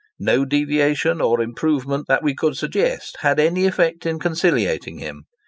No deviation or improvement that we could suggest had any effect in conciliating him.